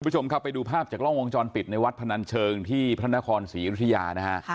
คุณผู้ชมครับไปดูภาพจากกล้องวงจรปิดในวัดพนันเชิงที่พระนครศรีอยุธยานะฮะ